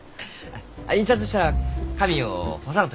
印刷したら紙を干さんといかん。